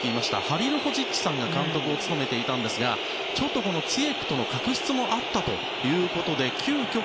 ハリルホジッチさんが監督を務めていたんですがツィエクとの確執もあったということで急きょ